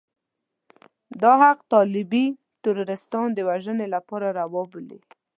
دا حق طالبي تروريستان د وژنې لپاره روا بولي.